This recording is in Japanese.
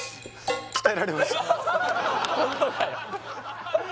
ホントかよ！？